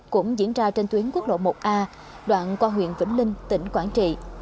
cũng diễn ra trên tuyến quốc lộ một a đoạn qua huyện vĩnh linh tỉnh quảng trị